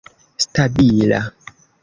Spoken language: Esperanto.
stabila